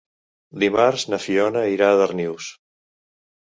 Dimarts na Fiona irà a Darnius.